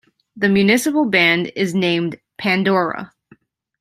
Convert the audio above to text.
The municipal Band is named "Pandora".